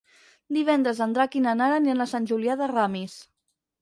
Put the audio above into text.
Divendres en Drac i na Nara aniran a Sant Julià de Ramis.